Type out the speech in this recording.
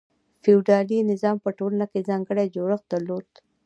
فیوډالي نظام په ټولنه کې ځانګړی جوړښت درلود.